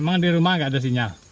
emang di rumah nggak ada sinyal